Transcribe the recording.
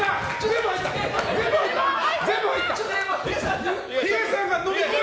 全部入った！